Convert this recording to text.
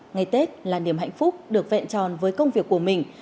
ngày tết là niềm hạnh phúc được vẹn tròn với công việc của mình